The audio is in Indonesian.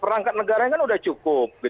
perangkat negara yang sudah jadinya polisi